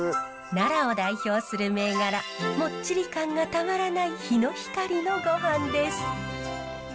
奈良を代表する銘柄モッチリ感がたまらないヒノヒカリのごはんです。